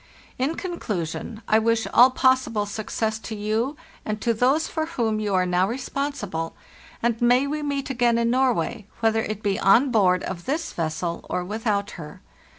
"In conclusion, I wish all possible success to you, and to those for whom you are now responsible, and may we meet again in Norway, whether it be on board of this vessel or without her.